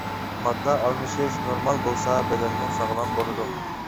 ماددا ئالمىشىش نورمال بولسا بەدەنمۇ ساغلام بولىدۇ.